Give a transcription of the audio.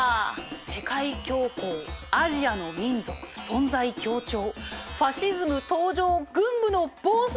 世界恐慌アジアの民族存在強調ファシズム登場軍部の暴走。